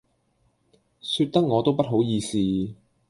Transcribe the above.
說得我都不好意思